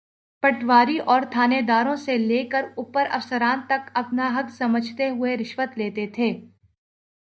پٹواری اورتھانیداروں سے لے کر اوپر افسران تک اپنا حق سمجھتے ہوئے رشوت لیتے تھے۔